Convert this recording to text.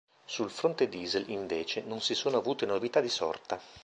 Sul fronte diesel, invece, non si sono avute novità di sorta.